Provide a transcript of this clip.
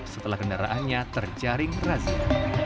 setelah kendaraannya terjaring razia